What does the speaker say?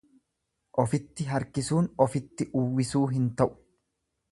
Ofitti harkisuun ofitti uwwisuu hin ta'u.